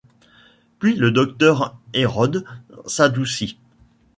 Puis le docteur Hérode s’adoucit.